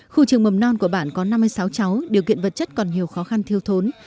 khu trường mầm non của bản có năm mươi sáu cháu điều kiện vật chất còn nhiều khó khăn thiêu thốn